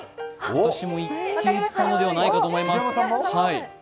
私もいけたのではないかと思います。